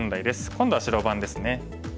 今度は白番ですね。